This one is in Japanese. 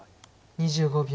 ２５秒。